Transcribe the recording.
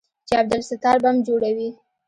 چې عبدالستار بم جوړوي.